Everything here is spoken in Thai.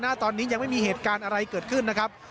ตอนนี้ยังไม่มีเหตุการณ์อะไรเกิดขึ้นนะครับ